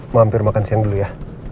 mau hampir makan siang dulu ya